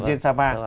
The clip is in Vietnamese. ở trên sapa